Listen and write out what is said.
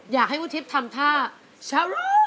อยากให้คุณทิพย์ทำท่าช้ารู้